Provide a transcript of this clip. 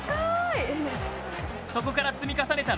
そこから積み重ねた